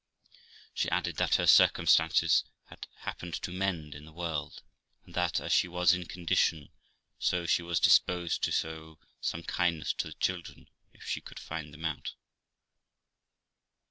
She added that her circumstances had happened to mend in the world, and that, as she was in condition, so she was disposed to show some kindness to the children if she could find them out.